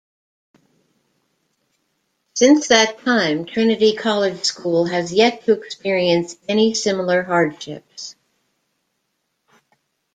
Since that time, Trinity College School has yet to experience any similar hardships.